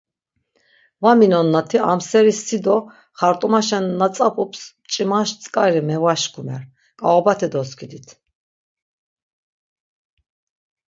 Va minonnati amseri si do xart̆umaşen na tzap̆ups mç̆imaş tzk̆ari mevaşkumer, k̆aobate doskidit.